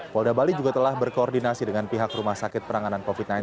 polda bali juga telah berkoordinasi dengan pihak rumah sakit penanganan covid sembilan belas